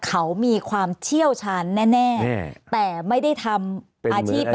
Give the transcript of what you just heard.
เขามีความเชี่ยวชาญแน่แต่ไม่ได้ทำอาชีพ